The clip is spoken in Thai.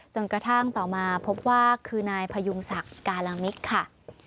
จนกระทั่งต่อมาพบว่าคือนายพยุงศักดิ์การามิตรค่ะ